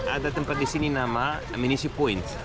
ada tempat di sini nama aminisi point